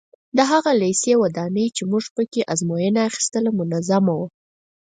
د هغه لېسې ودانۍ چې موږ په کې ازموینه اخیسته منظمه وه.